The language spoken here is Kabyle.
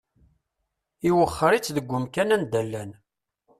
Iwexxer-itt deg umkan anda llan.